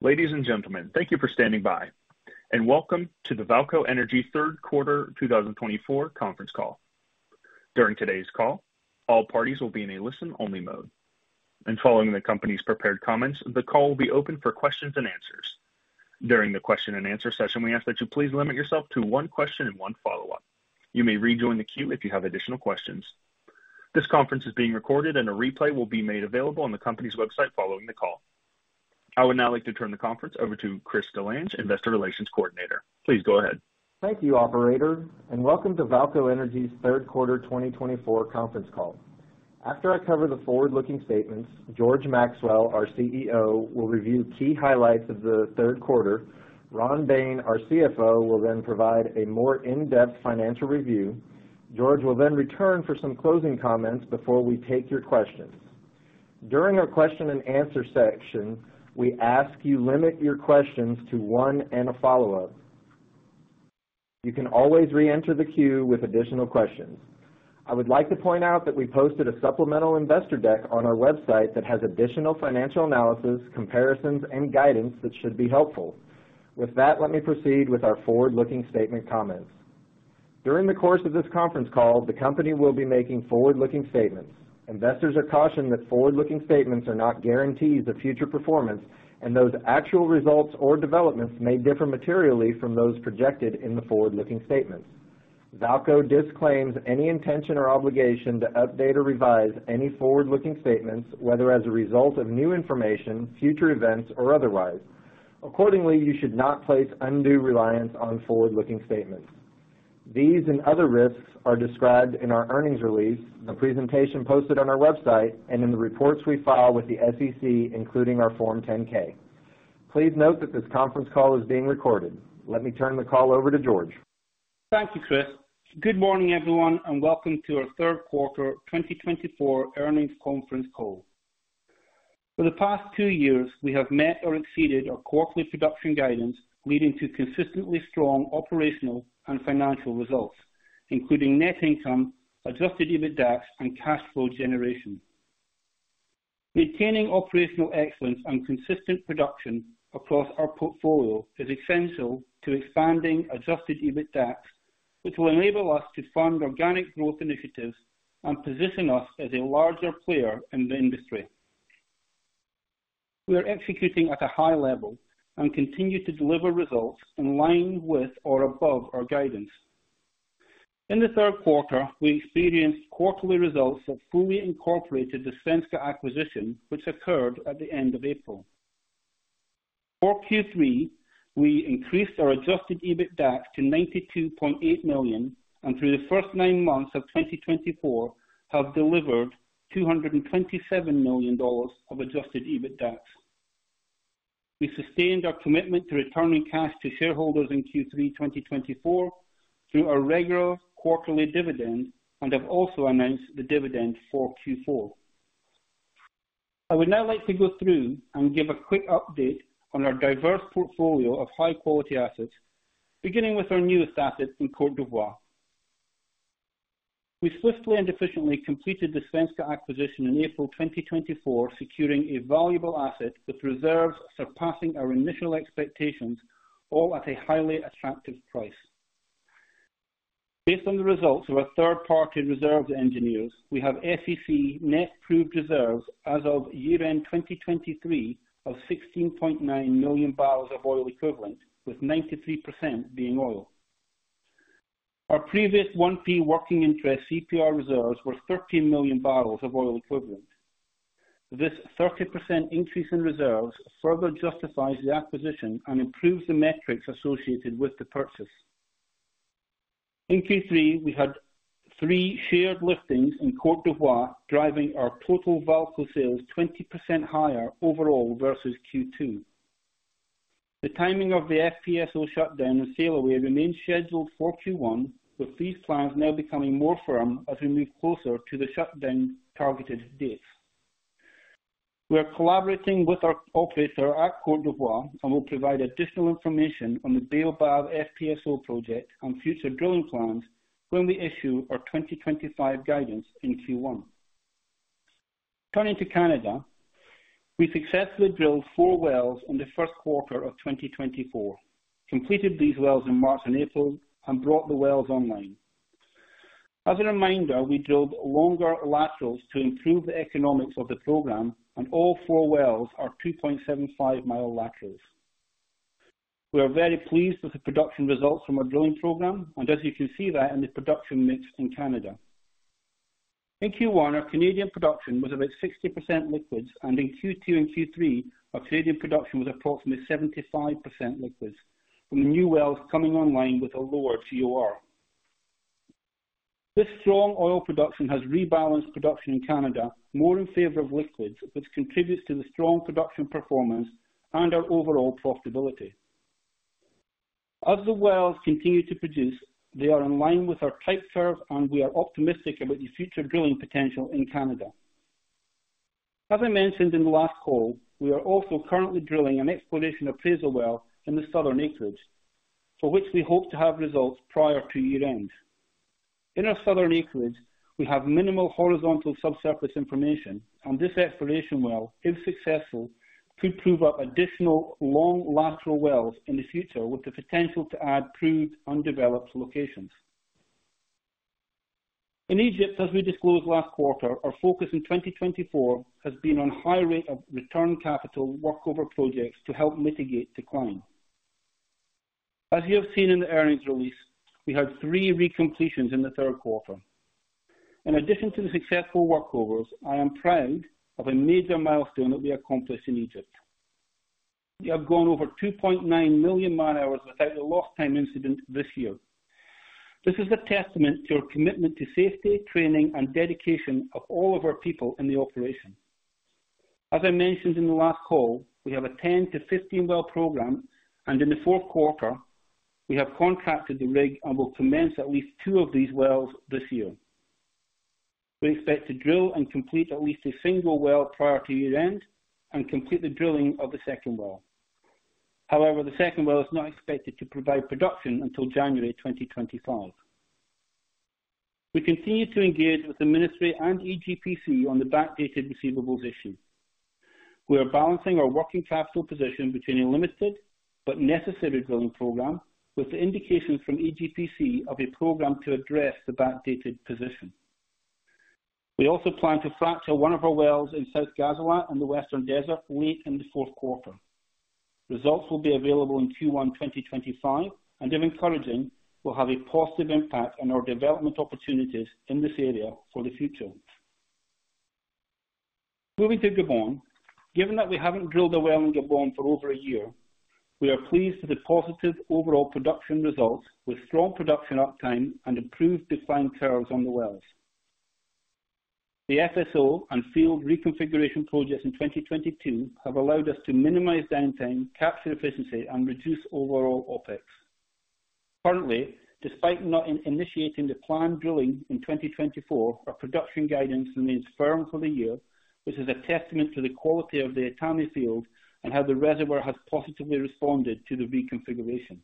Ladies and gentlemen, thank you for standing by, and welcome to the VAALCO Energy Third Quarter 2024 conference call. During today's call, all parties will be in a listen-only mode, and following the company's prepared comments, the call will be open for questions and answers. During the question-and-answer session, we ask that you please limit yourself to one question and one follow-up. You may rejoin the queue if you have additional questions. This conference is being recorded, and a replay will be made available on the company's website following the call. I would now like to turn the conference over to Chris DeLange, Investor Relations Coordinator. Please go ahead. Thank you, Operator, and welcome to VAALCO Energy's Third Quarter 2024 conference call. After I cover the forward-looking statements, George Maxwell, our CEO, will review key highlights of the third quarter. Ron Bain, our CFO, will then provide a more in-depth financial review. George will then return for some closing comments before we take your questions. During our question-and-answer session, we ask you to limit your questions to one and a follow-up. You can always re-enter the queue with additional questions. I would like to point out that we posted a supplemental investor deck on our website that has additional financial analysis, comparisons, and guidance that should be helpful. With that, let me proceed with our forward-looking statement comments. During the course of this conference call, the company will be making forward-looking statements. Investors are cautioned that forward-looking statements are not guarantees of future performance, and those actual results or developments may differ materially from those projected in the forward-looking statements. VAALCO disclaims any intention or obligation to update or revise any forward-looking statements, whether as a result of new information, future events, or otherwise. Accordingly, you should not place undue reliance on forward-looking statements. These and other risks are described in our earnings release, the presentation posted on our website, and in the reports we file with the SEC, including our Form 10-K. Please note that this conference call is being recorded. Let me turn the call over to George. Thank you, Chris. Good morning, everyone, and welcome to our Third Quarter 2024 earnings conference call. For the past two years, we have met or exceeded our quarterly production guidance, leading to consistently strong operational and financial results, including net income, adjusted EBITDA, and cash flow generation. Maintaining operational excellence and consistent production across our portfolio is essential to expanding Adjusted EBITDA, which will enable us to fund organic growth initiatives and position us as a larger player in the industry. We are executing at a high level and continue to deliver results in line with or above our guidance. In the third quarter, we experienced quarterly results that fully incorporated the Svenska acquisition, which occurred at the end of April. For Q3, we increased our Adjusted EBITDA to $92.8 million, and through the first nine months of 2024, have delivered $227 million of Adjusted EBITDA. We sustained our commitment to returning cash to shareholders in Q3 2024 through a regular quarterly dividend and have also announced the dividend for Q4. I would now like to go through and give a quick update on our diverse portfolio of high-quality assets, beginning with our newest asset in Côte d'Ivoire. We swiftly and efficiently completed the Svenska acquisition in April 2024, securing a valuable asset with reserves surpassing our initial expectations, all at a highly attractive price. Based on the results of our third-party reserves engineers, we have SEC net proved reserves as of year-end 2023 of 16.9 million barrels of oil equivalent, with 93% being oil. Our previous 1P working interest CPR reserves were 13 million barrels of oil equivalent. This 30% increase in reserves further justifies the acquisition and improves the metrics associated with the purchase. In Q3, we had three shared liftings in Côte d'Ivoire, driving our total VAALCO sales 20% higher overall versus Q2. The timing of the FPSO shutdown and sail away remains scheduled for Q1, with these plans now becoming more firm as we move closer to the shutdown targeted dates. We are collaborating with our operator at Côte d'Ivoire and will provide additional information on the Baobab FPSO project and future drilling plans when we issue our 2025 guidance in Q1. Turning to Canada, we successfully drilled four wells in the first quarter of 2024, completed these wells in March and April, and brought the wells online. As a reminder, we drilled longer laterals to improve the economics of the program, and all four wells are 2.75-mile laterals. We are very pleased with the production results from our drilling program, and as you can see, that in the production mix in Canada. In Q1, our Canadian production was about 60% liquids, and in Q2 and Q3, our Canadian production was approximately 75% liquids, with the new wells coming online with a lower GOR. This strong oil production has rebalanced production in Canada more in favor of liquids, which contributes to the strong production performance and our overall profitability. As the wells continue to produce, they are in line with our type curve, and we are optimistic about the future drilling potential in Canada. As I mentioned in the last call, we are also currently drilling an exploration appraisal well in the southern acreage, for which we hope to have results prior to year-end. In our southern acreage, we have minimal horizontal subsurface information, and this exploration well, if successful, could prove up additional long lateral wells in the future with the potential to add proved undeveloped locations. In Egypt, as we disclosed last quarter, our focus in 2024 has been on high rate of return capital workover projects to help mitigate decline. As you have seen in the earnings release, we had three re-completions in the third quarter. In addition to the successful workovers, I am proud of a major milestone that we accomplished in Egypt. We have gone over 2.9 million man-hours without a lost-time incident this year. This is a testament to our commitment to safety, training, and dedication of all of our people in the operation. As I mentioned in the last call, we have a 10-15-well program, and in the fourth quarter, we have contracted the rig and will commence at least two of these wells this year. We expect to drill and complete at least a single well prior to year-end and complete the drilling of the second well. However, the second well is not expected to provide production until January 2025. We continue to engage with the Ministry and EGPC on the backdated receivables issue. We are balancing our working capital position between a limited but necessary drilling program with the indications from EGPC of a program to address the backdated position. We also plan to fracture one of our wells in South Ghazalat and the Western Desert late in the fourth quarter. Results will be available in Q1 2025, and if encouraging, will have a positive impact on our development opportunities in this area for the future. Moving to Gabon, given that we haven't drilled a well in Gabon for over a year, we are pleased with the positive overall production results with strong production uptime and improved decline curves on the wells. The FSO and field reconfiguration projects in 2022 have allowed us to minimize downtime, capture efficiency, and reduce overall OPEX. Currently, despite not initiating the planned drilling in 2024, our production guidance remains firm for the year, which is a testament to the quality of the Etame field and how the reservoir has positively responded to the reconfiguration.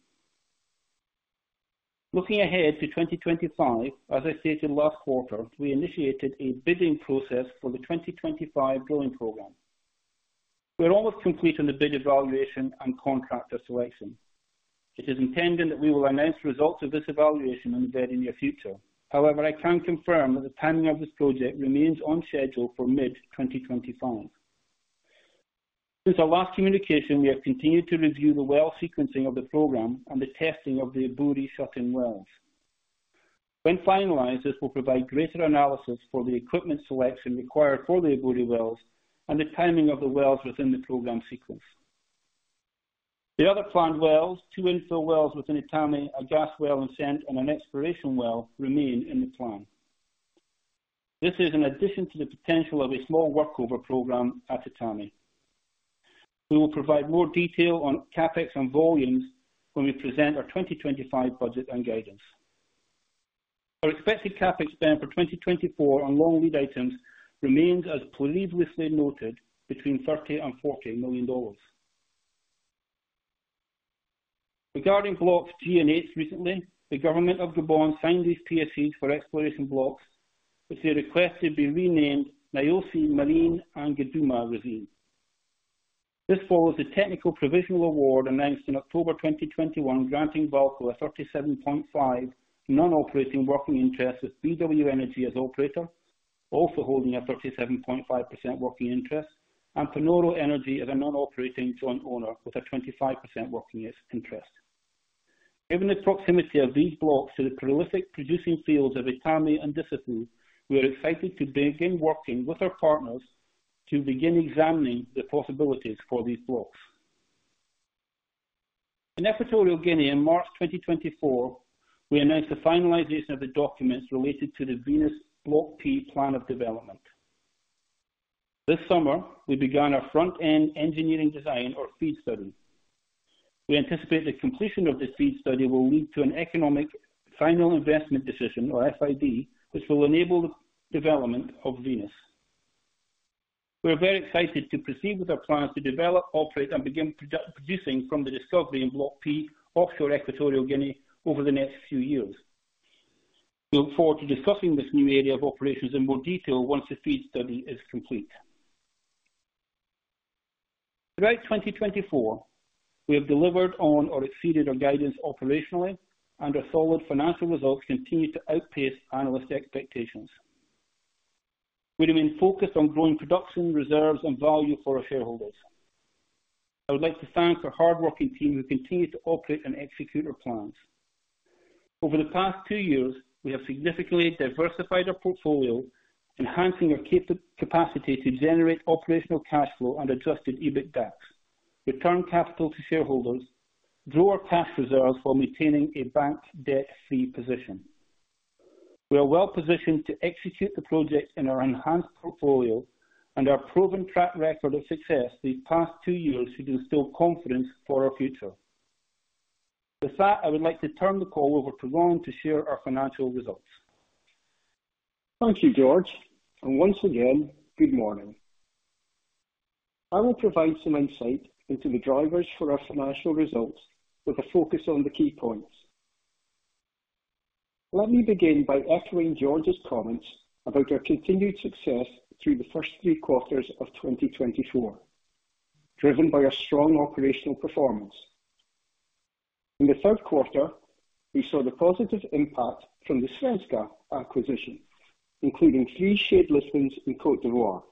Looking ahead to 2025, as I stated last quarter, we initiated a bidding process for the 2025 drilling program. We are almost complete on the bid evaluation and contractor selection. It is intended that we will announce results of this evaluation in the very near future. However, I can confirm that the timing of this project remains on schedule for mid-2025. Since our last communication, we have continued to review the well sequencing of the program and the testing of the Eburi shut-in wells. When finalized, this will provide greater analysis for the equipment selection required for the Eburi wells and the timing of the wells within the program sequence. The other planned wells, two infill wells within Etame, a gas well and sand, and an exploration well remain in the plan. This is in addition to the potential of a small workover program at Etame. We will provide more detail on CapEx and volumes when we present our 2025 budget and guidance. Our expected CapEx spend for 2024 on long lead items remains as previously noted, between $30 million-$40 million. Regarding Blocks G and H recently, the government of Gabon signed these PSCs for exploration blocks, which they request to be renamed Nyosi, Marine, and Geduma Marine. This follows the technical provisional award announced in October 2021 granting VAALCO a 37.5% non-operating working interest with BW Energy as operator, also holding a 37.5% working interest, and Panoro Energy as a non-operating joint owner with a 25% working interest. Given the proximity of these blocks to the prolific producing fields of Etame and Dussafu, we are excited to begin working with our partners to begin examining the possibilities for these blocks. In Equatorial Guinea, in March 2024, we announced the finalization of the documents related to the Venus Block P plan of development. This summer, we began our front-end engineering design, or FEED study. We anticipate the completion of the FEED study will lead to an economic final investment decision, or FID, which will enable the development of Venus. We are very excited to proceed with our plans to develop, operate, and begin producing from the discovery in Block P offshore Equatorial Guinea over the next few years. We look forward to discussing this new area of operations in more detail once the FEED study is complete. Throughout 2024, we have delivered on or exceeded our guidance operationally, and our solid financial results continue to outpace analyst expectations. We remain focused on growing production, reserves, and value for our shareholders. I would like to thank our hardworking team who continues to operate and execute our plans. Over the past two years, we have significantly diversified our portfolio, enhancing our capacity to generate operational cash flow and adjusted EBITDA, return capital to shareholders, and grow our cash reserves while maintaining a bank debt-free position. We are well positioned to execute the project in our enhanced portfolio, and our proven track record of success these past two years should instill confidence for our future. With that, I would like to turn the call over to Ron to share our financial results. Thank you, George, and once again, good morning. I will provide some insight into the drivers for our financial results with a focus on the key points. Let me begin by echoing George's comments about our continued success through the first three quarters of 2024, driven by our strong operational performance. In the third quarter, we saw the positive impact from the Svenska acquisition, including three shared liftings in Côte d'Ivoire.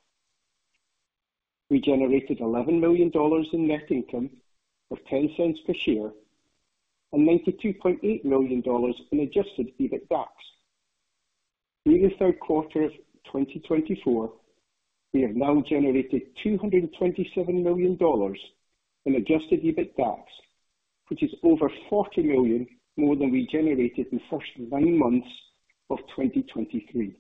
We generated $11 million in net income of $0.10 per share and $92.8 million in Adjusted EBITDA. Through the third quarter of 2024, we have now generated $227 million in Adjusted EBITDA, which is over $40 million more than we generated in the first nine months of 2023.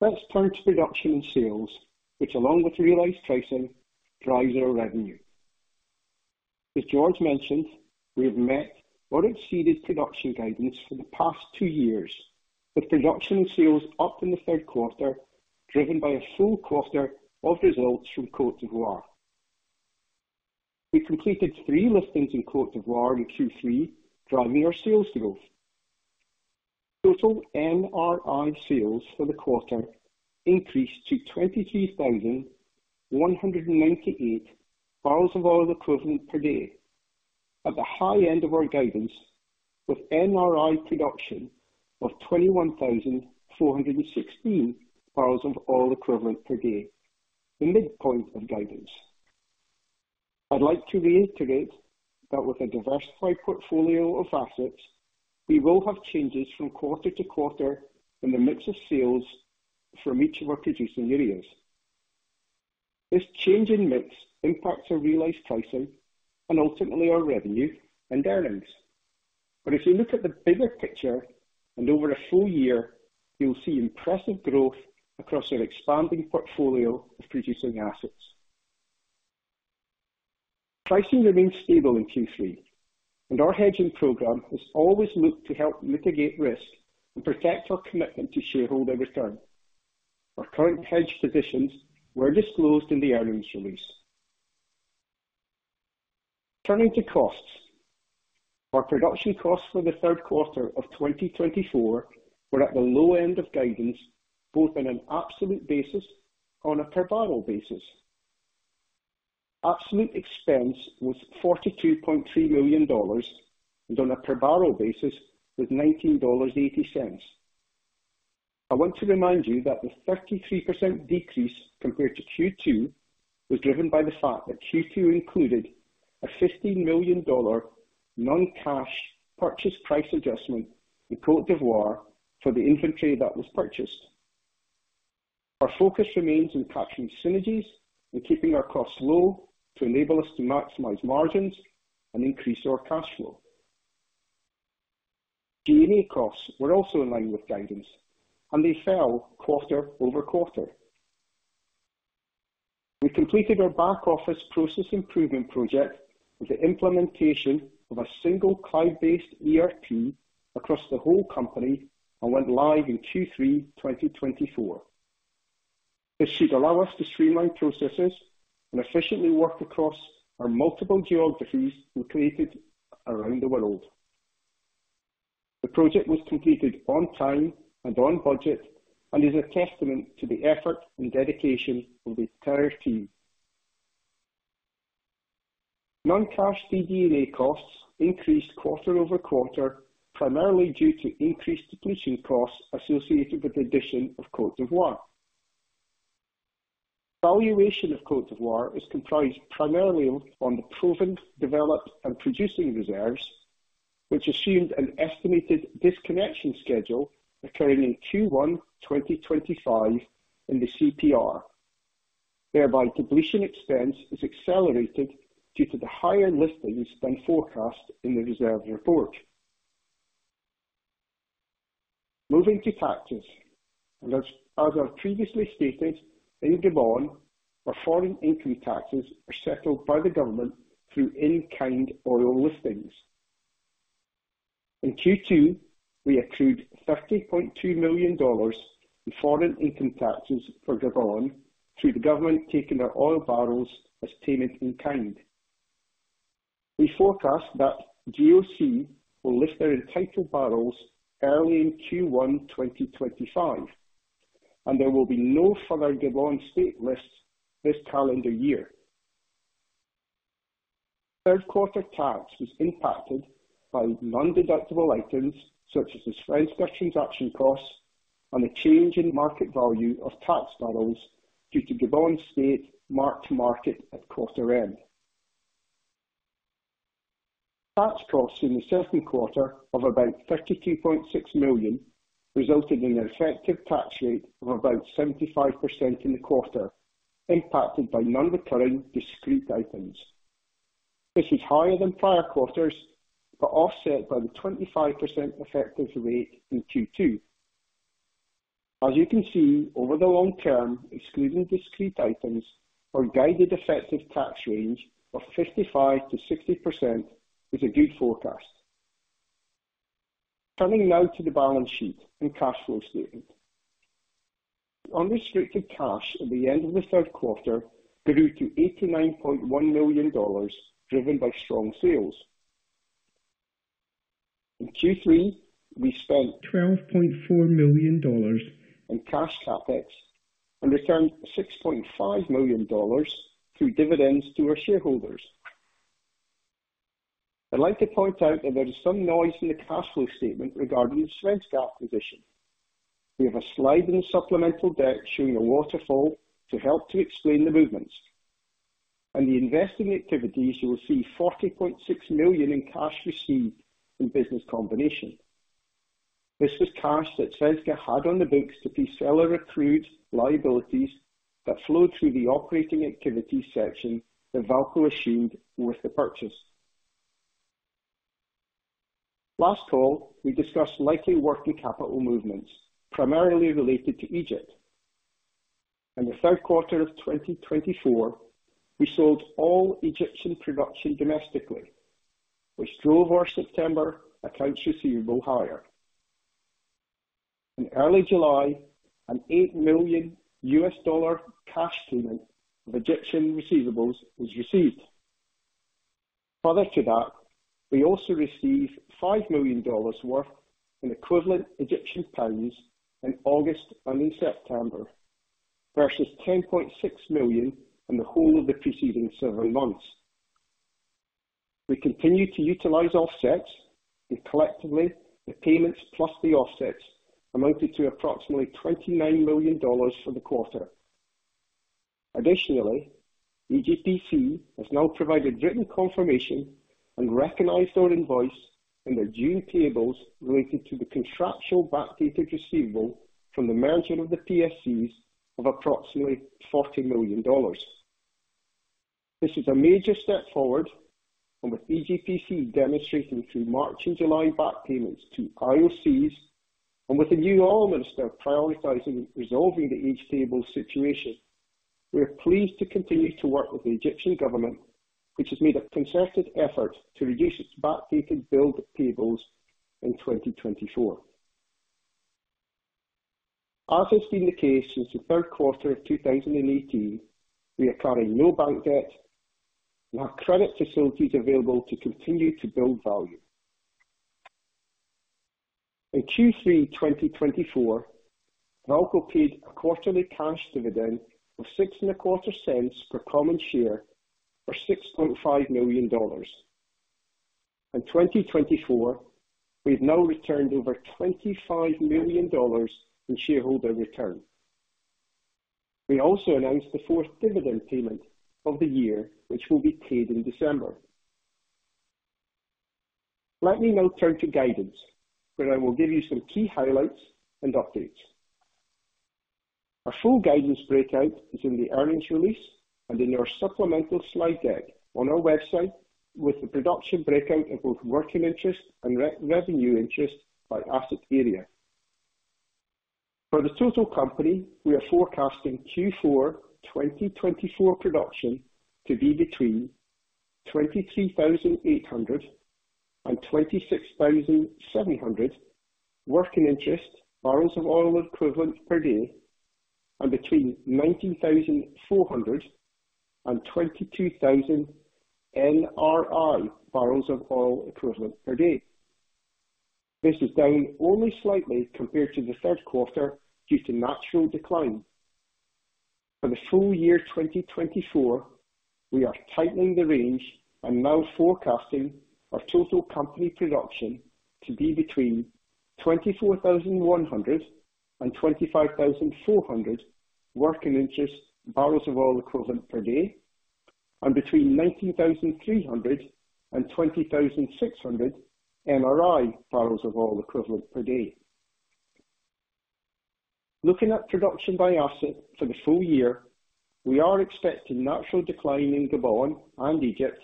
Let's turn to production and sales, which, along with realized pricing, drives our revenue. As George mentioned, we have met or exceeded production guidance for the past two years, with production and sales up in the third quarter, driven by a full quarter of results from Côte d'Ivoire. We completed three liftings in Côte d'Ivoire in Q3, driving our sales growth. Total NRI sales for the quarter increased to 23,198 barrels of oil equivalent per day, at the high end of our guidance, with NRI production of 21,416 barrels of oil equivalent per day, the midpoint of guidance. I'd like to reiterate that with a diversified portfolio of assets, we will have changes from quarter to quarter in the mix of sales from each of our producing areas. This change in mix impacts our realized pricing and ultimately our revenue and earnings. But if you look at the bigger picture, and over a full year, you'll see impressive growth across our expanding portfolio of producing assets. Pricing remains stable in Q3, and our hedging program has always looked to help mitigate risk and protect our commitment to shareholder return. Our current hedge positions were disclosed in the earnings release. Turning to costs, our production costs for the third quarter of 2024 were at the low end of guidance, both on an absolute basis and on a per barrel basis. Absolute expense was $42.3 million, and on a per barrel basis, it was $19.80. I want to remind you that the 33% decrease compared to Q2 was driven by the fact that Q2 included a $15 million non-cash purchase price adjustment in Côte d'Ivoire for the inventory that was purchased. Our focus remains on capturing synergies and keeping our costs low to enable us to maximize margins and increase our cash flow. G&A costs were also in line with guidance, and they fell quarter over quarter. We completed our back office process improvement project with the implementation of a single cloud-based ERP across the whole company and went live in Q3 2024. This should allow us to streamline processes and efficiently work across our multiple geographies located around the world. The project was completed on time and on budget and is a testament to the effort and dedication of the entire team. Non-cash DD&A costs increased quarter-over-quarter, primarily due to increased depletion costs associated with the addition of Côte d'Ivoire. Valuation of Côte d'Ivoire is comprised primarily on the proven, developed, and producing reserves, which assumed an estimated disconnection schedule occurring in Q1 2025 in the CPR. Thereby, depletion expense is accelerated due to the higher liftings than forecast in the reserve report. Moving to taxes, as I've previously stated, in Gabon, our foreign income taxes are settled by the government through in-kind oil liftings. In Q2, we accrued $30.2 million in foreign income taxes for Gabon through the government taking our oil barrels as payment in-kind. We forecast that GOC will lift their entitled barrels early in Q1 2025, and there will be no further Gabon state lifts this calendar year. Third quarter tax was impacted by non-deductible items such as discrete transaction costs and a change in market value of tax barrels due to Gabon state mark-to-market at quarter end. Tax costs in the second quarter of about $32.6 million resulted in an effective tax rate of about 75% in the quarter, impacted by non-recurring discrete items. This is higher than prior quarters but offset by the 25% effective rate in Q2. As you can see, over the long term, excluding discrete items, our guided effective tax range of 55%-60% is a good forecast. Turning now to the balance sheet and cash flow statement. Unrestricted cash at the end of the third quarter grew to $89.1 million, driven by strong sales. In Q3, we spent $12.4 million in cash CapEx and returned $6.5 million through dividends to our shareholders. I'd like to point out that there is some noise in the cash flow statement regarding the Svenska acquisition. We have a slide in supplemental debt showing a waterfall to help to explain the movements. In the investing activities, you will see $40.6 million in cash received in business combination. This was cash that Svenska had on the books to prepaid or accrued liabilities that flowed through the operating activity section that VAALCO assumed worth the purchase. Last call, we discussed likely working capital movements, primarily related to Egypt. In the third quarter of 2024, we sold all Egyptian production domestically, which drove our September accounts receivable higher. In early July, an $8 million cash payment of Egyptian receivables was received. Further to that, we also received $5 million worth in equivalent Egyptian pounds in August and in September, versus $10.6 million in the whole of the preceding seven months. We continue to utilize offsets, and collectively, the payments plus the offsets amounted to approximately $29 million for the quarter. Additionally, EGPC has now provided written confirmation and recognized our invoice in the debt tables related to the contractual backdated receivable from the merger of the PSCs of approximately $40 million. This is a major step forward, and with EGPC demonstrating through March and July back payments to IOCs, and with the new oil minister prioritizing resolving the debt table situation, we're pleased to continue to work with the Egyptian government, which has made a concerted effort to reduce its backdated debt tables in 2024. As has been the case since the third quarter of 2018, we are carrying no bank debt and have credit facilities available to continue to build value. In Q3 2024, VAALCO paid a quarterly cash dividend of $0.65 per common share for $6.5 million. In 2024, we have now returned over $25 million in shareholder return. We also announced the fourth dividend payment of the year, which will be paid in December. Let me now turn to guidance, where I will give you some key highlights and updates. Our full guidance breakout is in the earnings release and in our supplemental slide deck on our website, with the production breakout of both working interest and revenue interest by asset area. For the total company, we are forecasting Q4 2024 production to be between 23,800 and 26,700 working interest, barrels of oil equivalent per day, and between 19,400 and 22,000 NRI barrels of oil equivalent per day. This is down only slightly compared to the third quarter due to natural decline. For the full year 2024, we are tightening the range and now forecasting our total company production to be between 24,100 and 25,400 working interest, barrels of oil equivalent per day, and between 19,300 and 20,600 NRI barrels of oil equivalent per day. Looking at production by asset for the full year, we are expecting natural decline in Gabon and Egypt,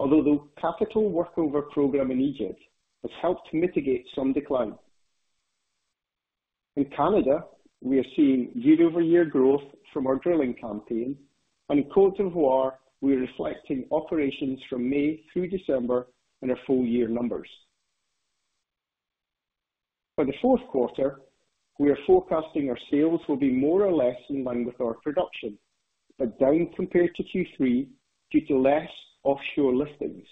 although the capital workover program in Egypt has helped mitigate some decline. In Canada, we are seeing year-over-year growth from our drilling campaign, and in Côte d'Ivoire, we are reflecting operations from May through December in our full year numbers. For the fourth quarter, we are forecasting our sales will be more or less in line with our production, but down compared to Q3 due to less offshore liftings.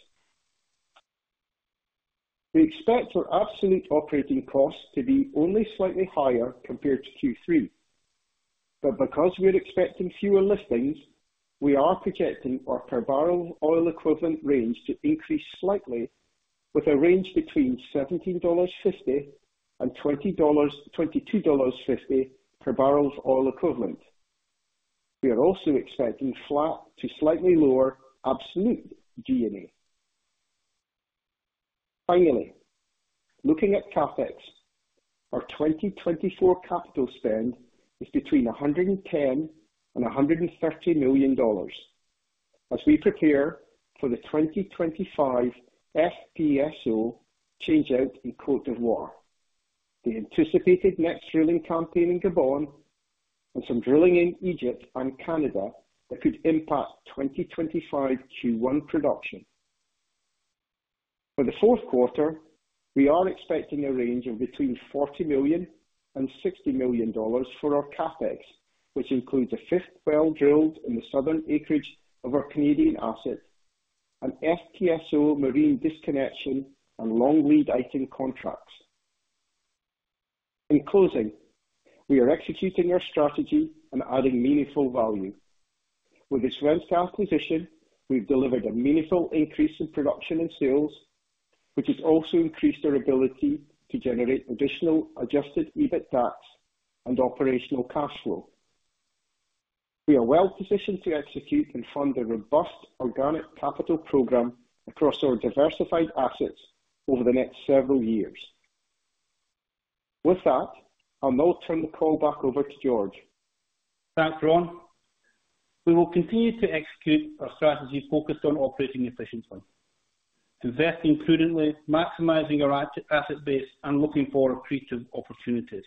We expect our absolute operating costs to be only slightly higher compared to Q3, but because we're expecting fewer liftings, we are projecting our per barrel oil equivalent range to increase slightly, with a range between $17.50 and $22.50 per barrel of oil equivalent. We are also expecting flat to slightly lower absolute G&A. Finally, looking at CAPEX, our 2024 capital spend is between $110 million and $130 million as we prepare for the 2025 FPSO changeout in Côte d'Ivoire. The anticipated next drilling campaign in Gabon and some drilling in Egypt and Canada could impact 2025 Q1 production. For the fourth quarter, we are expecting a range of between $40 million and $60 million for our CapEx, which includes a fifth well drilled in the southern acreage of our Canadian asset and FPSO marine disconnection and long lead item contracts. In closing, we are executing our strategy and adding meaningful value. With this Svenska acquisition, we've delivered a meaningful increase in production and sales, which has also increased our ability to generate additional Adjusted EBITDA and operational cash flow. We are well positioned to execute and fund a robust organic capital program across our diversified assets over the next several years. With that, I'll now turn the call back over to George. Thanks, Ron. We will continue to execute our strategy focused on operating efficiently, investing prudently, maximizing our asset base, and looking for accretive opportunities.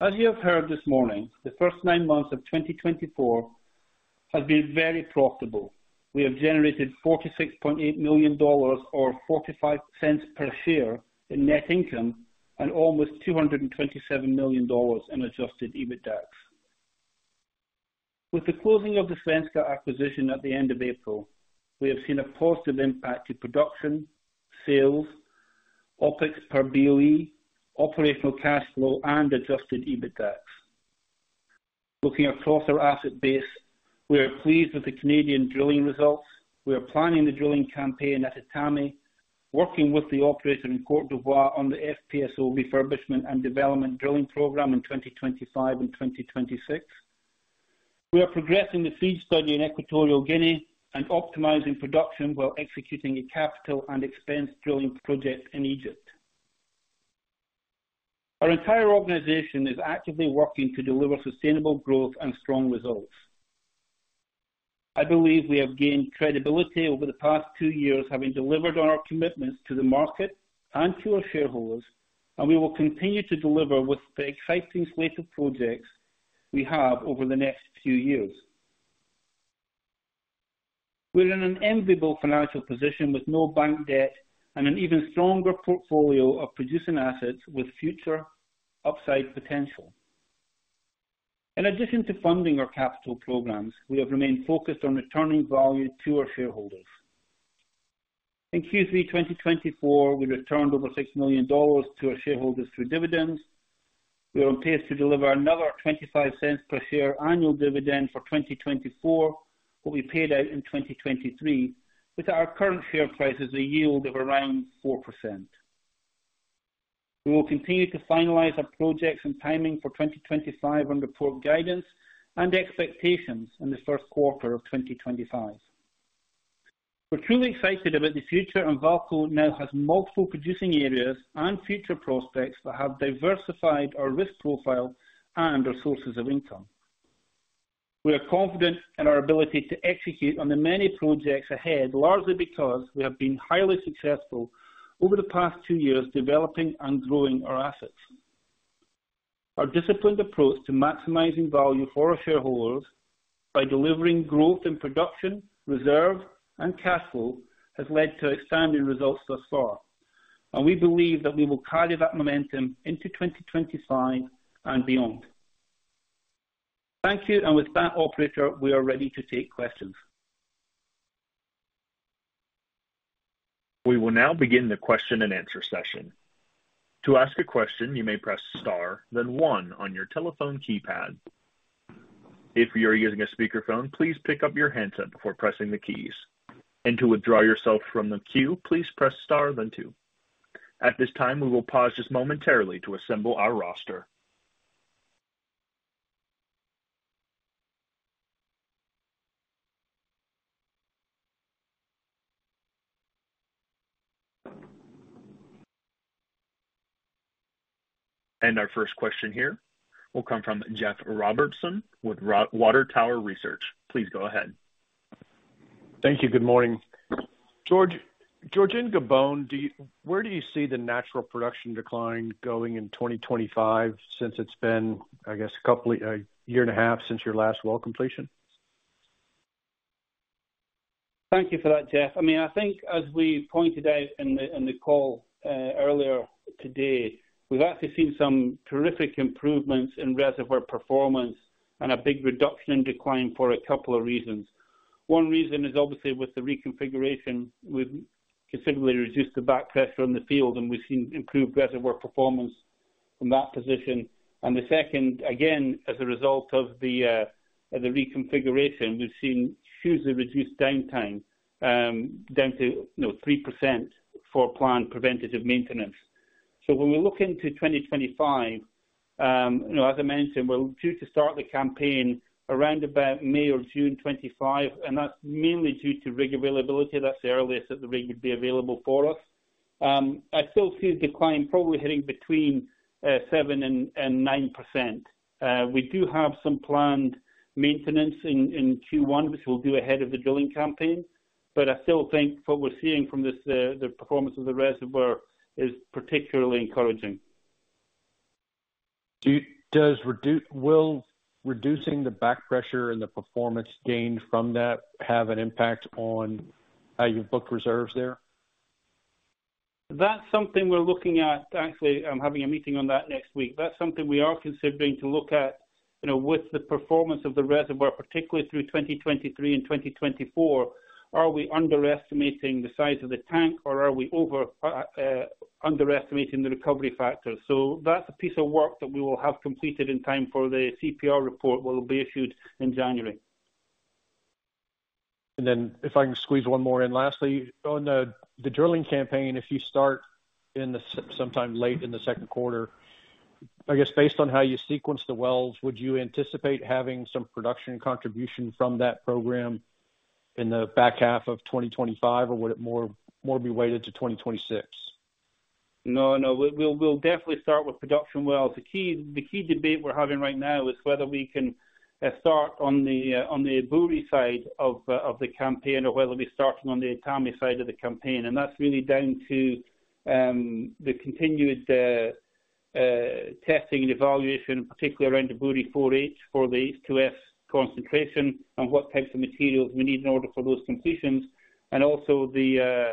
As you have heard this morning, the first nine months of 2024 have been very profitable. We have generated $46.8 million or $0.45 per share in net income and almost $227 million in Adjusted EBITDA. With the closing of the Svenska acquisition at the end of April, we have seen a positive impact to production, sales, OPEX per BOE, operational cash flow, and adjusted EBITDA. Looking across our asset base, we are pleased with the Canadian drilling results. We are planning the drilling campaign at Etame, working with the operator in Côte d'Ivoire on the FPSO refurbishment and development drilling program in 2025 and 2026. We are progressing the FEED study in Equatorial Guinea and optimizing production while executing a capital and expense drilling project in Egypt. Our entire organization is actively working to deliver sustainable growth and strong results. I believe we have gained credibility over the past two years, having delivered on our commitments to the market and to our shareholders, and we will continue to deliver with the exciting slate of projects we have over the next few years. We're in an enviable financial position with no bank debt and an even stronger portfolio of producing assets with future upside potential. In addition to funding our capital programs, we have remained focused on returning value to our shareholders. In Q3 2024, we returned over $6 million to our shareholders through dividends. We are on pace to deliver another $0.25 per share annual dividend for 2024, what we paid out in 2023, with our current share prices a yield of around 4%. We will continue to finalize our projects and timing for 2025 and provide our guidance and expectations in the first quarter of 2025. We're truly excited about the future, and VAALCO now has multiple producing areas and future prospects that have diversified our risk profile and our sources of income. We are confident in our ability to execute on the many projects ahead, largely because we have been highly successful over the past two years developing and growing our assets. Our disciplined approach to maximizing value for our shareholders by delivering growth in production, reserve, and cash flow has led to outstanding results thus far, and we believe that we will carry that momentum into 2025 and beyond. Thank you, and with that, Operator, we are ready to take questions. We will now begin the question-and-answer session. To ask a question, you may press star, then one on your telephone keypad. If you are using a speakerphone, please pick up the handset before pressing the keys. To withdraw yourself from the queue, please press star, then two. At this time, we will pause just momentarily to assemble our roster. Our first question here will come from Jeff Robertson with Water Tower Research. Please go ahead. Thank you. Good morning. George, George in Gabon, where do you see the natural production decline going in 2025 since it's been, I guess, a couple of a year and a half since your last well completion? Thank you for that, Jeff. I mean, I think as we pointed out in the call earlier today, we've actually seen some terrific improvements in reservoir performance and a big reduction in decline for a couple of reasons. One reason is obviously with the reconfiguration, we've considerably reduced the back pressure on the field, and we've seen improved reservoir performance from that position. And the second, again, as a result of the reconfiguration, we've seen hugely reduced downtime down to 3% for planned preventative maintenance. So when we look into 2025, as I mentioned, we're due to start the campaign around about May or June 2025, and that's mainly due to rig availability. That's the earliest that the rig would be available for us. I still see the decline probably hitting between 7% and 9%. We do have some planned maintenance in Q1, which we'll do ahead of the drilling campaign, but I still think what we're seeing from the performance of the reservoir is particularly encouraging. Will reducing the back pressure and the performance gained from that have an impact on how you've booked reserves there? That's something we're looking at. Actually, I'm having a meeting on that next week. That's something we are considering to look at with the performance of the reservoir, particularly through 2023 and 2024. Are we underestimating the size of the tank, or are we over-underestimating the recovery factor? So that's a piece of work that we will have completed in time for the CPR report that will be issued in January. And then if I can squeeze one more in lastly, on the drilling campaign, if you start sometime late in the second quarter, I guess based on how you sequence the wells, would you anticipate having some production contribution from that program in the back half of 2025, or would it more be waited to 2026? No, no. We'll definitely start with production wells. The key debate we're having right now is whether we can start on the Eburi side of the campaign or whether we're starting on the Etame side of the campaign. And that's really down to the continued testing and evaluation, particularly around Eburi 4H for the H2S concentration and what types of materials we need in order for those completions, and also the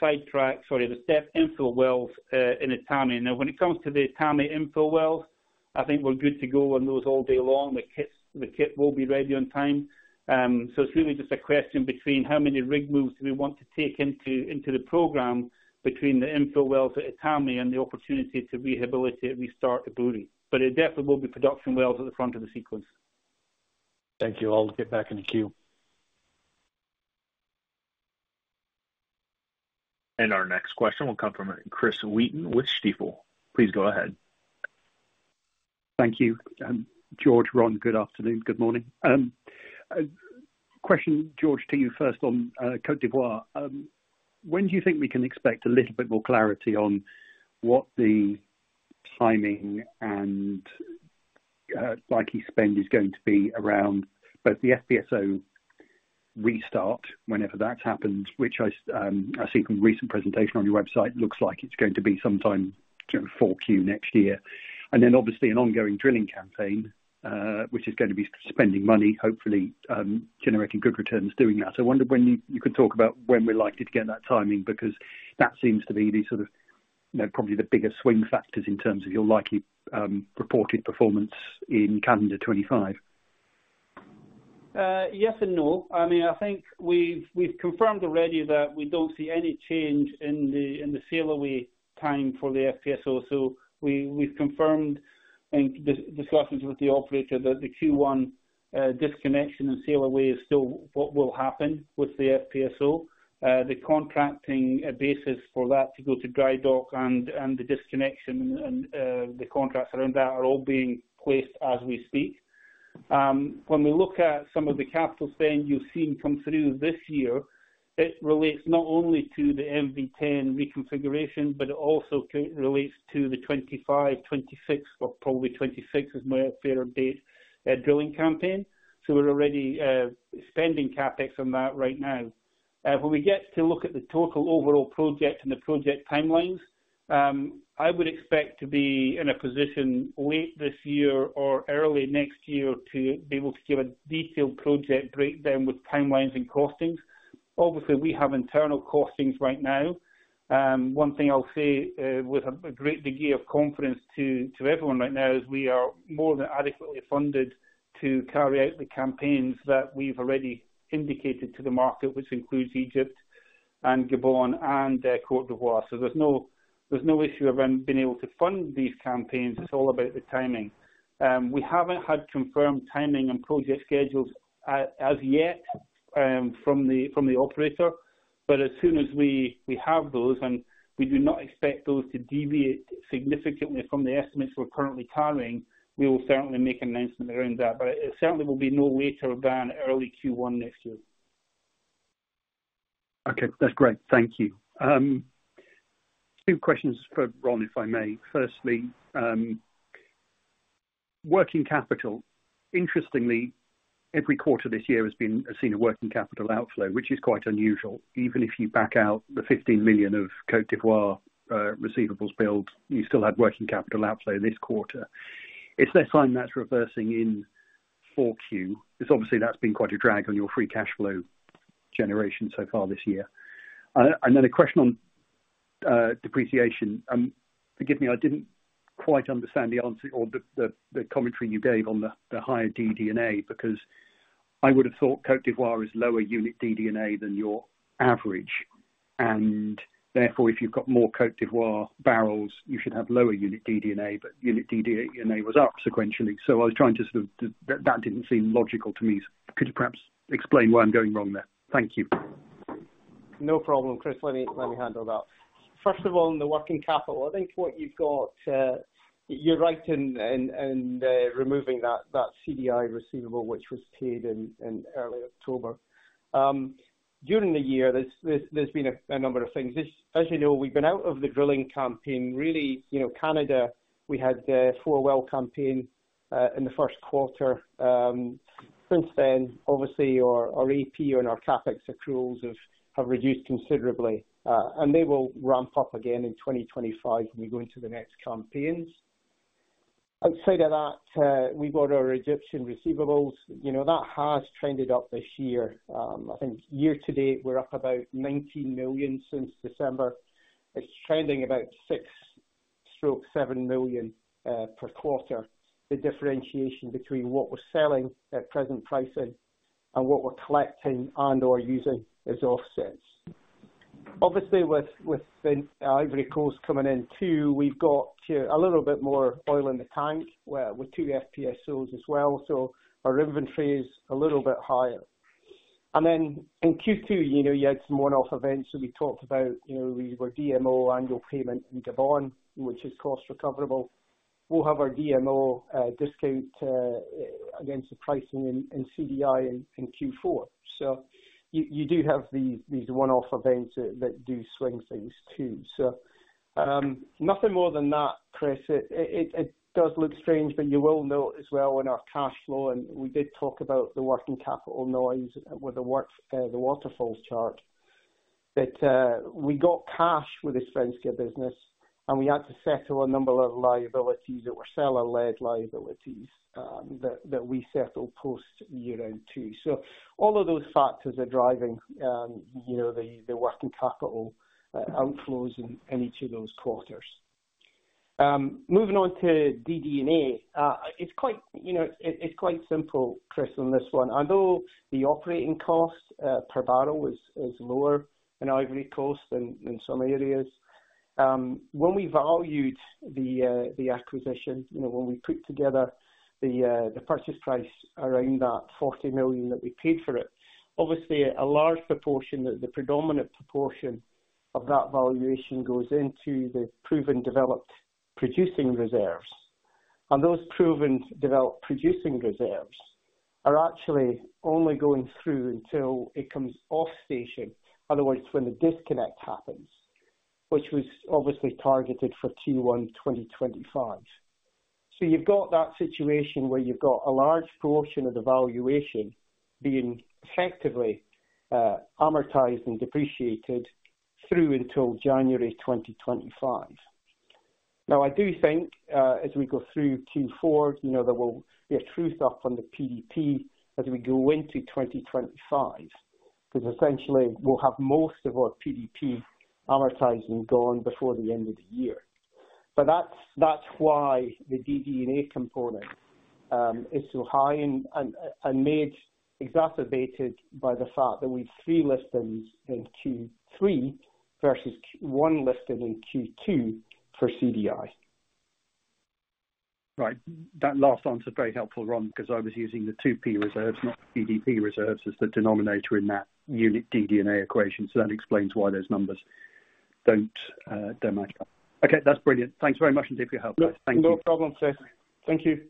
side track, sorry, the step infill wells in Etame. Now, when it comes to the Etame infill wells, I think we're good to go on those all day long. The kit will be ready on time. So it's really just a question between how many rig moves do we want to take into the program between the infill wells at Etame and the opportunity to rehabilitate and restart Eburi. But it definitely will be production wells at the front of the sequence. Thank you. I'll get back in the queue, and our next question will come from Chris Wheaton with Stifel. Please go ahead. Thank you. George, Ron, good afternoon. Good morning. Question, George, to you first on Côte d'Ivoire. When do you think we can expect a little bit more clarity on what the timing and likely spend is going to be around both the FPSO restart, whenever that's happened, which I see from recent presentation on your website, looks like it's going to be sometime Q4 next year. And then obviously an ongoing drilling campaign, which is going to be spending money, hopefully generating good returns doing that. I wonder when you could talk about when we're likely to get that timing because that seems to be the sort of probably the biggest swing factors in terms of your likely reported performance in calendar 2025. Yes and no. I mean, I think we've confirmed already that we don't see any change in the sail away time for the FPSO. We've confirmed in discussions with the operator that the Q1 disconnection and sail away is still what will happen with the FPSO. The contracting basis for that to go to dry dock and the disconnection and the contracts around that are all being placed as we speak. When we look at some of the capital spend you've seen come through this year, it relates not only to the MV10 reconfiguration, but it also relates to the 2025, 2026, or probably 2026 is my fairer date, drilling campaign. We're already spending CapEx on that right now. When we get to look at the total overall project and the project timelines, I would expect to be in a position late this year or early next year to be able to give a detailed project breakdown with timelines and costings. Obviously, we have internal costings right now. One thing I'll say with a great degree of confidence to everyone right now is we are more than adequately funded to carry out the campaigns that we've already indicated to the market, which includes Egypt and Gabon and Côte d'Ivoire. So there's no issue of being able to fund these campaigns. It's all about the timing. We haven't had confirmed timing and project schedules as yet from the operator, but as soon as we have those, and we do not expect those to deviate significantly from the estimates we're currently carrying, we will certainly make an announcement around that. But it certainly will be no later than early Q1 next year. Okay. That's great. Thank you. Two questions for Ron, if I may. Firstly, working capital. Interestingly, every quarter this year has seen a working capital outflow, which is quite unusual. Even if you back out the $15 million of Côte d'Ivoire receivables billed, you still had working capital outflow this quarter. Is there sign that's reversing in Q4? Obviously, that's been quite a drag on your free cash flow generation so far this year. Then a question on depreciation. Forgive me, I didn't quite understand the answer or the commentary you gave on the higher DD&A because I would have thought Côte d'Ivoire is lower unit DD&A than your average. And therefore, if you've got more Côte d'Ivoire barrels, you should have lower unit DD&A, but unit DD&A was up sequentially. So I was trying to sort of that didn't seem logical to me. Could you perhaps explain where I'm going wrong there? Thank you. No problem, Chris. Let me handle that. First of all, in the working capital, I think what you've got, you're right in removing that CDI receivable, which was paid in early October. During the year, there's been a number of things. As you know, we've been out of the drilling campaign. Really, Canada, we had four well campaigns in the first quarter. Since then, obviously, our AP and our CapEx accruals have reduced considerably, and they will ramp up again in 2025 when we go into the next campaigns. Outside of that, we've got our Egyptian receivables. That has trended up this year. I think year to date, we're up about $19 million since December. It's trending about $6 million-$7 million per quarter. The differentiation between what we're selling at present pricing and what we're collecting and/or using is offset. Obviously, with the Ivory Coast coming in too, we've got a little bit more oil in the tank with two FPSOs as well. So our inventory is a little bit higher. And then in Q2, you had some one-off events. So we talked about we were DMO annual payment in Gabon, which is cost recoverable. We'll have our DMO discount against the pricing in CDI in Q4. So you do have these one-off events that do swing things too. So nothing more than that, Chris. It does look strange, but you will note as well in our cash flow, and we did talk about the working capital noise with the waterfall chart, that we got cash with the Svenska business, and we had to settle a number of liabilities that were seller-led liabilities that we settled post year-end too. So all of those factors are driving the working capital outflows in each of those quarters. Moving on to DD&A, it's quite simple, Chris, on this one. Although the operating cost per barrel is lower than Ivory Coast in some areas, when we valued the acquisition, when we put together the purchase price around that $40 million that we paid for it, obviously, a large proportion, the predominant proportion of that valuation goes into the proven developed producing reserves. And those proven developed producing reserves are actually only going through until it comes off-station, otherwise when the disconnect happens, which was obviously targeted for Q1 2025. So you've got that situation where you've got a large portion of the valuation being effectively amortized and depreciated through until January 2025. Now, I do think as we go through Q4, there will be a true up on the PDP as we go into 2025 because essentially we'll have most of our PDP amortizing gone before the end of the year. But that's why the DD&A component is so high and made exacerbated by the fact that we've three liftings in Q3 versus one lifting in Q2 for CDI. Right. That last answer is very helpful, Ron, because I was using the 2P reserves, not the PDP reserves as the denominator in that unit DD&A equation. So that explains why those numbers don't matter. Okay. That's brilliant. Thanks very much indeed for your help. Thank you. No problem, Chris. Thank you.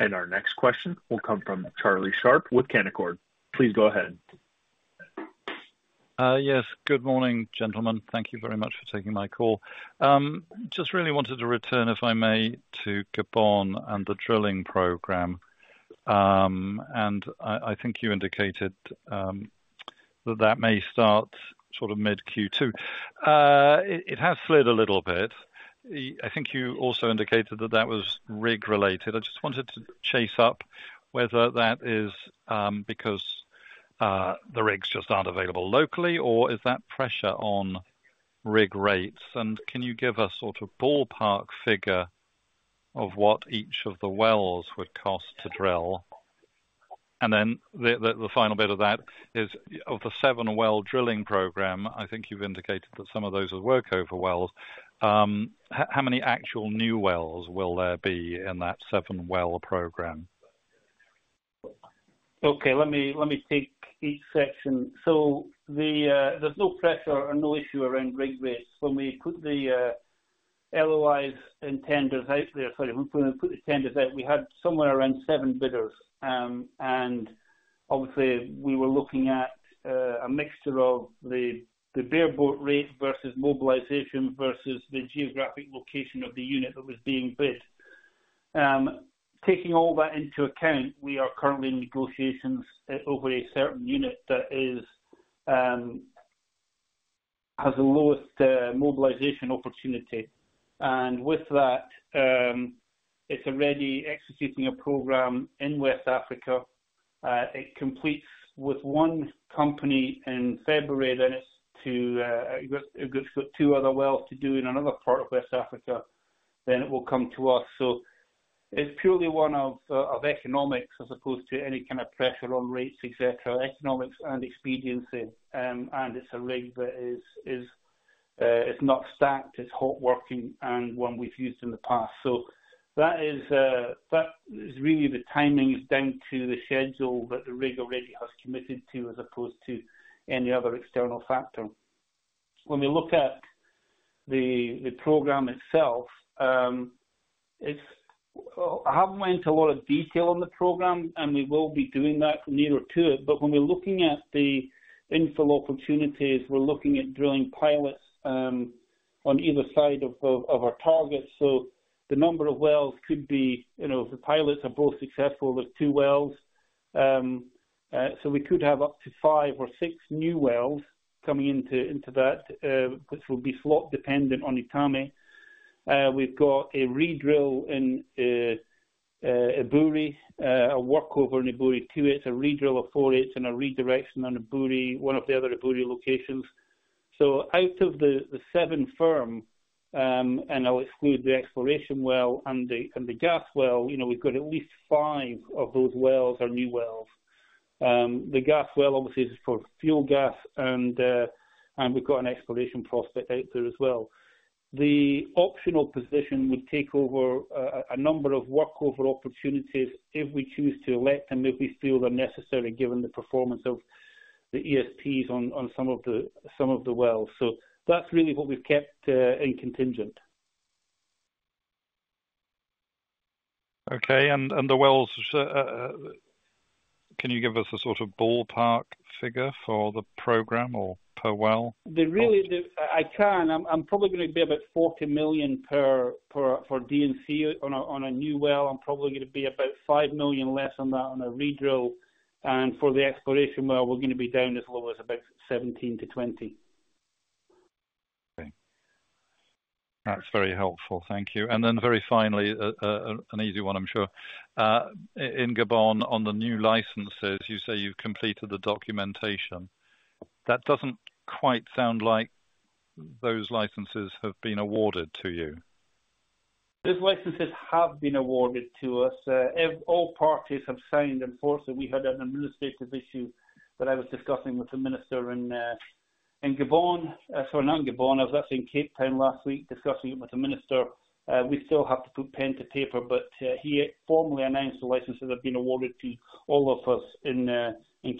And our next question will come from Charlie Sharp with Canaccord. Please go ahead. Yes. Good morning, gentlemen. Thank you very much for taking my call. Just really wanted to return, if I may, to Gabon and the drilling program, and I think you indicated that that may start sort of mid-Q2. It has slid a little bit. I think you also indicated that that was rig-related. I just wanted to chase up whether that is because the rigs just aren't available locally, or is that pressure on rig rates? and can you give us sort of ballpark figure of what each of the wells would cost to drill? and then the final bit of that is, of the seven well drilling program, I think you've indicated that some of those are workover wells. How many actual new wells will there be in that seven well program? Okay. Let me take each section, so there's no pressure or no issue around rig rates. When we put the LOIs and tenders out there, sorry, when we put the tenders out, we had somewhere around seven bidders, and obviously, we were looking at a mixture of the bare boat rate versus mobilization versus the geographic location of the unit that was being bid. Taking all that into account, we are currently in negotiations over a certain unit that has the lowest mobilization opportunity, and with that, it's already executing a program in West Africa. It completes with one company in February, then it's got two other wells to do in another part of West Africa, then it will come to us, so it's purely one of economics as opposed to any kind of pressure on rates, etc., economics and expediency, and it's a rig that is not stacked. It's hot working and one we've used in the past. So that is really the timing is down to the schedule that the rig already has committed to as opposed to any other external factor. When we look at the program itself, I haven't went into a lot of detail on the program, and we will be doing that nearer to it. But when we're looking at the infill opportunities, we're looking at drilling pilots on either side of our target. So the number of wells could be if the pilots are both successful, there's two wells. So we could have up to five or six new wells coming into that, which will be slot dependent on Etame. We've got a redrill in Eburi, a workover in Eburi too. It's a redrill of 4H and a redirection on Eburi, one of the other Eburi locations. So out of the seven firm, and I'll exclude the exploration well and the gas well, we've got at least five of those wells are new wells. The gas well obviously is for fuel gas, and we've got an exploration prospect out there as well. The optional position would take over a number of workover opportunities if we choose to elect them, if we feel they're necessary given the performance of the ESPs on some of the wells. So that's really what we've kept in contingent. Okay. And the wells, can you give us a sort of ballpark figure for the program or per well? I can. I'm probably going to be about $40 million per D&C on a new well. I'm probably going to be about $5 million less on a redrill. And for the exploration well, we're going to be down as low as about $17 million-$20 million. Okay. That's very helpful. Thank you. And then very finally, an easy one, I'm sure. In Gabon, on the new licenses, you say you've completed the documentation. That doesn't quite sound like those licenses have been awarded to you. Those licenses have been awarded to us. All parties have signed them for us. So we had an administrative issue that I was discussing with the minister in Gabon. Sorry, not in Gabon. I was actually in Cape Town last week discussing it with the minister. We still have to put pen to paper, but he formally announced the licenses have been awarded to all of us in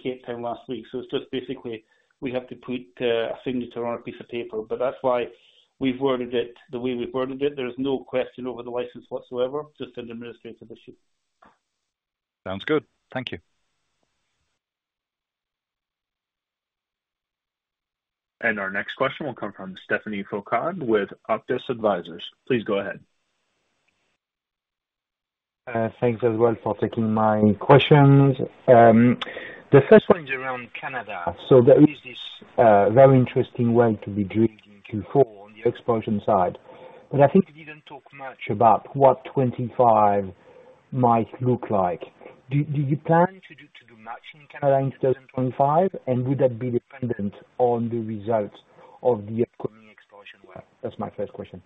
Cape Town last week. So it's just basically we have to put a signature on a piece of paper. But that's why we've worded it the way we've worded it. There is no question over the license whatsoever, just an administrative issue. Sounds good. Thank you. And our next question will come from Stephane Foucaud with Auctus Advisors. Please go ahead. Thanks as well for taking my questions. The first one is around Canada. So there is this very interesting well to be drilled in Q4 on the exploration side. But I think we didn't talk much about what 25 might look like. Do you plan to do much in Canada in 2025? And would that be dependent on the results of the upcoming exploration well? That's my first question.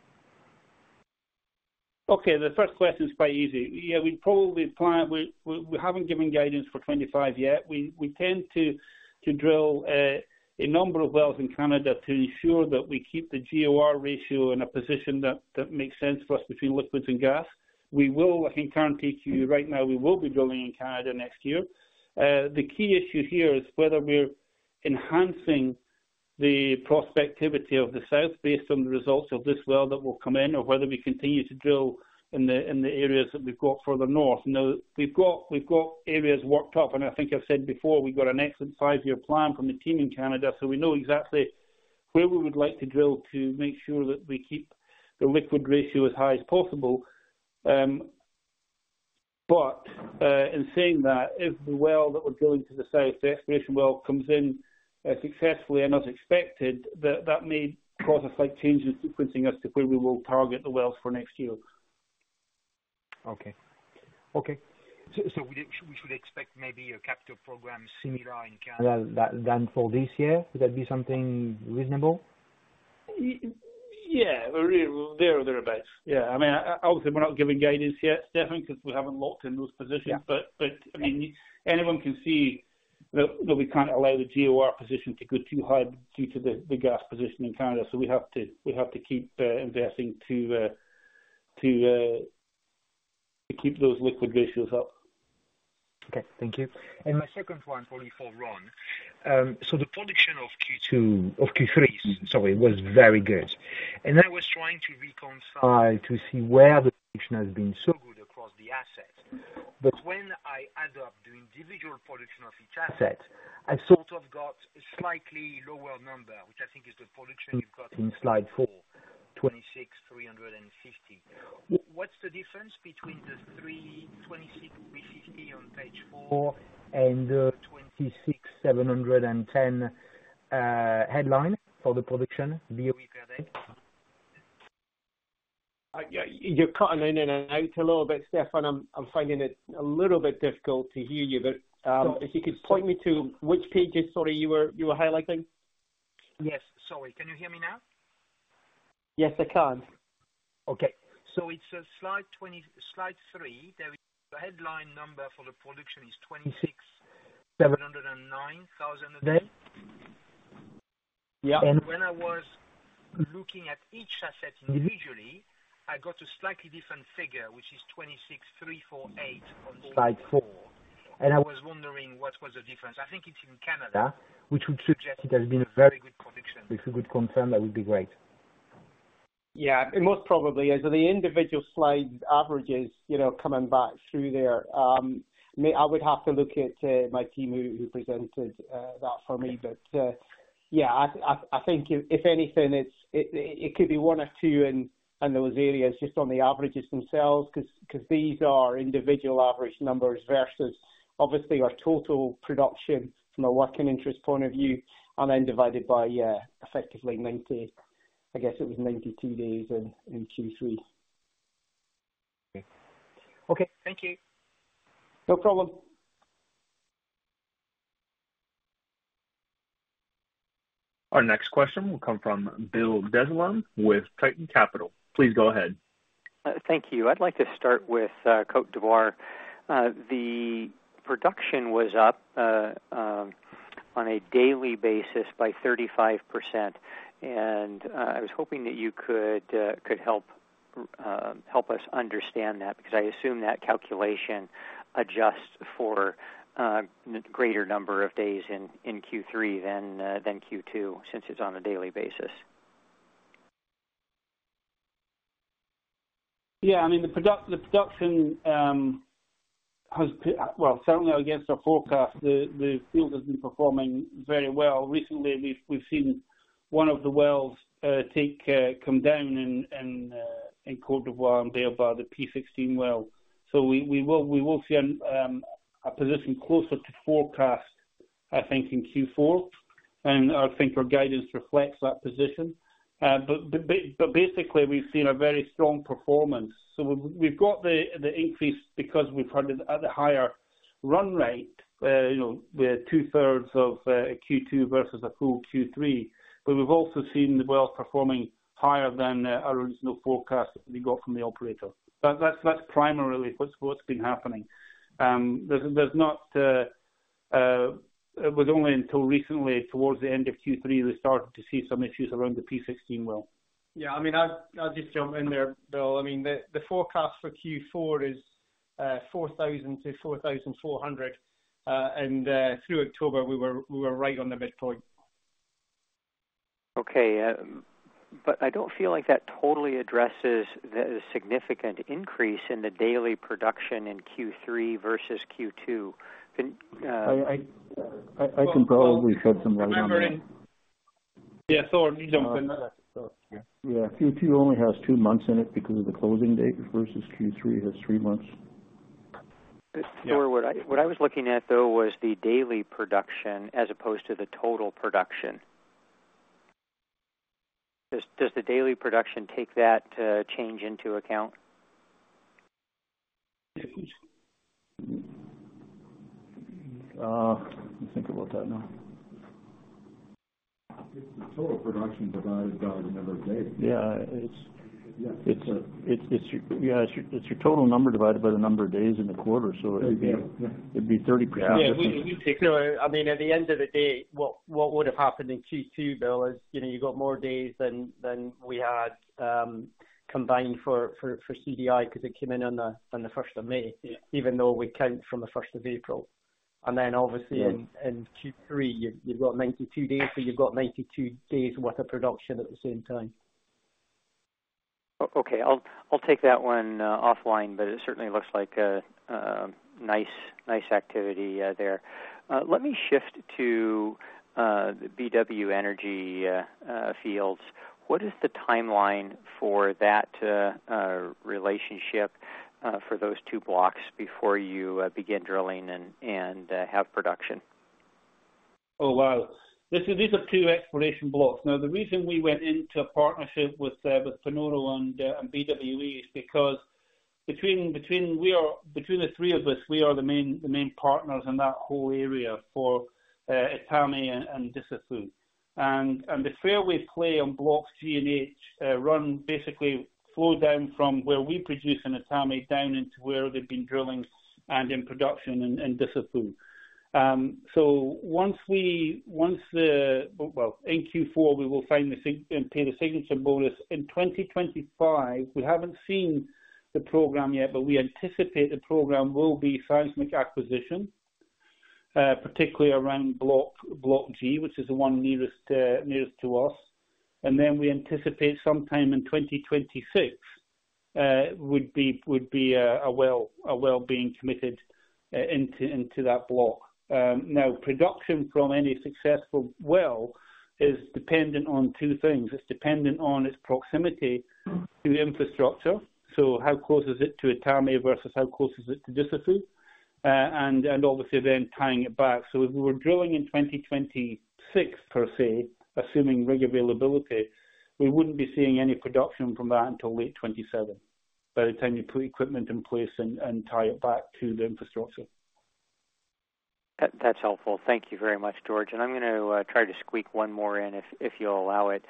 Okay. The first question is quite easy. Yeah, we probably plan we haven't given guidance for 25 yet. We tend to drill a number of wells in Canada to ensure that we keep the GOR ratio in a position that makes sense for us between liquids and gas. We will, I can guarantee you right now, we will be drilling in Canada next year. The key issue here is whether we're enhancing the prospectivity of the south based on the results of this well that will come in, or whether we continue to drill in the areas that we've got further north. Now, we've got areas worked up, and I think I've said before, we've got an excellent five-year plan from the team in Canada. So we know exactly where we would like to drill to make sure that we keep the liquid ratio as high as possible. But in saying that, if the well that we're drilling to the south, the exploration well comes in successfully and as expected, that may cause a slight change in sequencing as to where we will target the wells for next year. Okay. Okay. So we should expect maybe a capital program similar in Canada than for this year. Would that be something reasonable? Yeah. There are thereabouts. Yeah. I mean, obviously, we're not giving guidance yet, Stephane, because we haven't locked in those positions. But I mean, anyone can see that we can't allow the GOR position to go too high due to the gas position in Canada. So we have to keep investing to keep those liquid ratios up. Okay. Thank you. And my second one for you for Ron. So the production of Q3, sorry, was very good. And I was trying to reconcile to see where the production has been so good across the assets. But when I add up the individual production of each asset, I sort of got a slightly lower number, which I think is the production you've got in Slide four, 26,350. What's the difference between the 26,350 on Page 4 and the 26,710 headline for the production, BOE per day? You're cutting in and out a little bit, Stephanie. I'm finding it a little bit difficult to hear you. But if you could point me to which pages, sorry, you were highlighting? Yes. Sorry. Can you hear me now? Yes, I can. Okay. So it's Slide 3. The headline number for the production is 26,709 thousand a day. And when I was looking at each asset individually, I got a slightly different figure, which is 26,348 on Slide 4. And I was wondering what was the difference. I think it's in Canada, which would suggest it has been a very good production. If you could confirm, that would be great. Yeah. Most probably. So the individual slide averages coming back through there. I would have to look at my team who presented that for me, but yeah, I think if anything, it could be one or two in those areas just on the averages themselves because these are individual average numbers versus obviously our total production from a working interest point of view, and then divided by effectively 90. I guess it was 92 days in Q3. Okay. Okay. Thank you. No problem. Our next question will come from Bill Dezellem with Tieton Capital. Please go ahead. Thank you. I'd like to start with Côte d'Ivoire. The production was up on a daily basis by 35%, and I was hoping that you could help us understand that because I assume that calculation adjusts for a greater number of days in Q3 than Q2 since it's on a daily basis. Yeah. I mean, the production has, well, certainly against our forecast, the field has been performing very well. Recently, we've seen one of the wells come down in Côte d'Ivoire and be above the P50 well. So we will see a position closer to forecast, I think, in Q4, and I think our guidance reflects that position, but basically, we've seen a very strong performance, so we've got the increase because we've had a higher run rate, two-thirds of Q2 versus a full Q3, but we've also seen the well performing higher than our original forecast that we got from the operator. That's primarily what's been happening. It was only until recently, towards the end of Q3, we started to see some issues around the P50 well. Yeah. I mean, I'll just jump in there, Bill. I mean, the forecast for Q4 is 4,000-4,400. And through October, we were right on the midpoint. Okay. But I don't feel like that totally addresses the significant increase in the daily production in Q3 versus Q2. I can probably shed some light on that. Yeah. Sorry, let me jump in. Yeah. Q2 only has two months in it because of the closing date versus Q3 has three months. So what I was looking at, though, was the daily production as opposed to the total production. Does the daily production take that change into account? Let me think about that now. The total production divided by the number of days. Yeah. It's your total number divided by the number of days in the quarter. So it'd be 30%. Yeah. I mean, at the end of the day, what would have happened in Q2, Bill, is you got more days than we had combined for CDI because it came in on the 1st of May, even though we count from the 1st of April. And then obviously, in Q3, you've got 92 days, but you've got 92 days worth of production at the same time. Okay. I'll take that one offline, but it certainly looks like a nice activity there. Let me shift to BW Energy fields. What is the timeline for that relationship for those two blocks before you begin drilling and have production? Oh, wow. These are two exploration blocks. Now, the reason we went into a partnership with Panoro and BWE is because between the three of us, we are the main partners in that whole area for Etame and Dussafu. And the fairway we play on blocks G and H runs basically flows down from where we produce in Etame down into where they've been drilling and in production in Dussafu. So once the, well, in Q4, we will pay the signature bonus. In 2025, we haven't seen the program yet, but we anticipate the program will be seismic acquisition, particularly around Block G, which is the one nearest to us. And then we anticipate sometime in 2026 would be a well being committed into that block. Now, production from any successful well is dependent on two things. It's dependent on its proximity to infrastructure. So how close is it to Etame versus how close is it to Dussafu? And obviously, then tying it back. So if we were drilling in 2026, per se, assuming rig availability, we wouldn't be seeing any production from that until late 2027 by the time you put equipment in place and tie it back to the infrastructure. That's helpful. Thank you very much, George. And I'm going to try to squeak one more in if you'll allow it.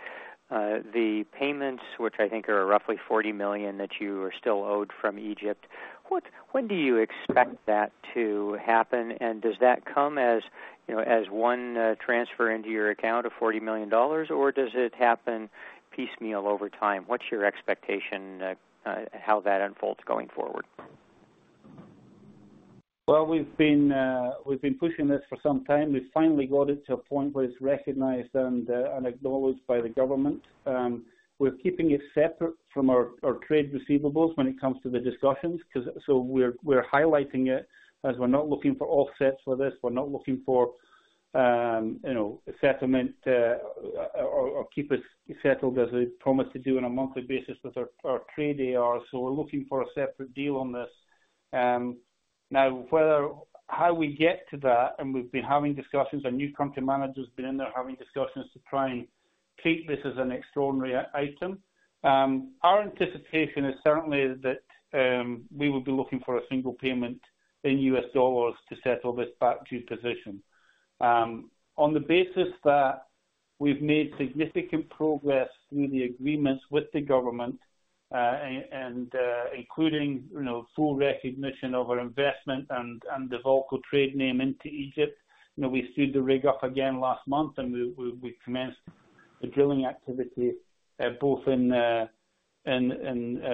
The payments, which I think are roughly $40 million that you are still owed from Egypt, when do you expect that to happen? And does that come as one transfer into your account of $40 million, or does it happen piecemeal over time? What's your expectation how that unfolds going forward? Well, we've been pushing this for some time. We've finally got it to a point where it's recognized and acknowledged by the government. We're keeping it separate from our trade receivables when it comes to the discussions. We're highlighting it as we're not looking for offsets for this. We're not looking for a settlement or keep us settled as we promised to do on a monthly basis with our trade AR. We're looking for a separate deal on this. Now, how we get to that, and we've been having discussions. Our new country manager has been in there having discussions to try and treat this as an extraordinary item. Our anticipation is certainly that we will be looking for a single payment in U.S. dollars to settle this back to position. On the basis that we've made significant progress through the agreements with the government, including full recognition of our investment and the VAALCO trade name into Egypt. We spudded the rig up again last month, and we commenced the drilling activity both in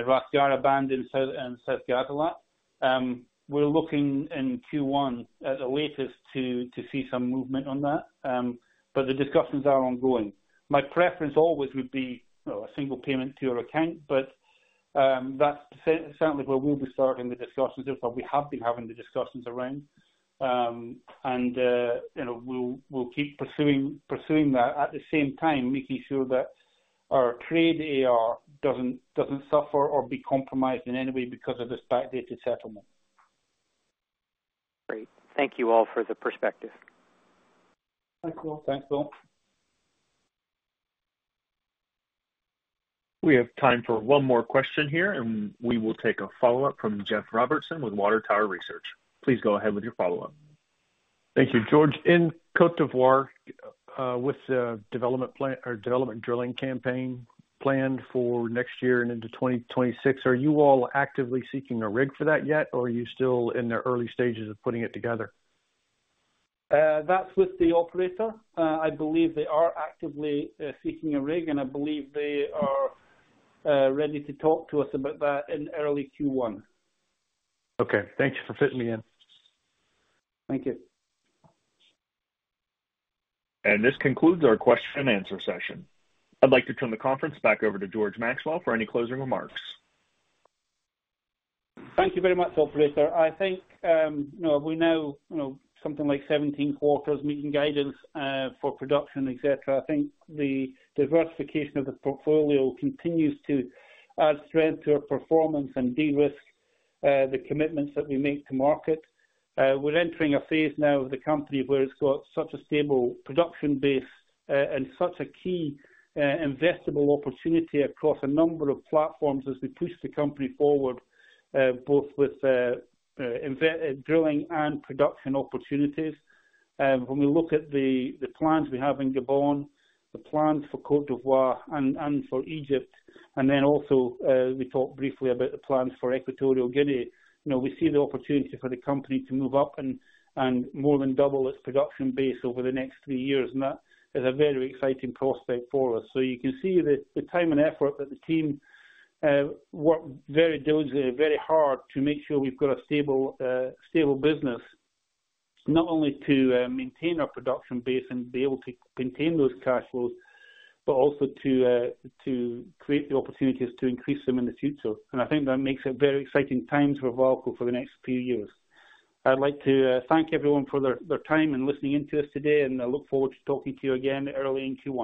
Ras Gharib and South Ghazalat. We're looking in Q1 at the latest to see some movement on that. But the discussions are ongoing. My preference always would be a single payment to your account, but that's certainly where we'll be starting the discussions. That's what we have been having the discussions around. And we'll keep pursuing that at the same time, making sure that our trade AR doesn't suffer or be compromised in any way because of this backdated settlement. Great. Thank you all for the perspective. Thanks, Bill. Thanks, Bill. We have time for one more question here, and we will take a follow-up from Jeff Robertson with Water Tower Research. Please go ahead with your follow-up. Thank you, George. In Côte d'Ivoire, with the development drilling campaign planned for next year and into 2026, are you all actively seeking a rig for that yet, or are you still in the early stages of putting it together? That's with the operator. I believe they are actively seeking a rig, and I believe they are ready to talk to us about that in early Q1. Okay. Thanks for fitting me in. Thank you. And this concludes our question-and-answer session. I'd like to turn the conference back over to George Maxwell for any closing remarks. Thank you very much, Operator. I think we know something like 17 quarters meeting guidance for production, etc. I think the diversification of the portfolio continues to add strength to our performance and de-risk the commitments that we make to market. We're entering a phase now of the company where it's got such a stable production base and such a key investable opportunity across a number of platforms as we push the company forward, both with drilling and production opportunities. When we look at the plans we have in Gabon, the plans for Côte d'Ivoire and for Egypt, and then also we talked briefly about the plans for Equatorial Guinea, we see the opportunity for the company to move up and more than double its production base over the next three years, and that is a very exciting prospect for us. So you can see the time and effort that the team worked very diligently, very hard to make sure we've got a stable business, not only to maintain our production base and be able to contain those cash flows, but also to create the opportunities to increase them in the future. And I think that makes it very exciting times for VAALCO for the next few years. I'd like to thank everyone for their time and listening in to us today, and I look forward to talking to you again early in Q1.